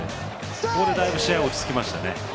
ここで、だいぶ試合が落ち着きましたよね。